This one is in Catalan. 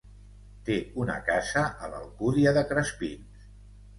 Té una casa a l'Alcúdia de Crespins.